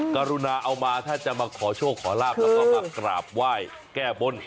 กรุณาเอามาถ้าจะมาขอโชคขอลาบแล้วก็มากราบไหว้แก้บน